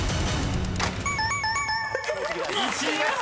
［１位です。